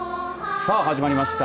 さあ始まりました